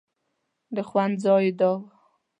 د خوند ځای یې دا و.